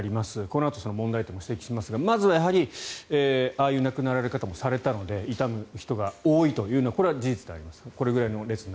このあと問題点も指摘しますがまずはやはりああいう亡くなり方もされたので悼む人が多いというのは事実であります。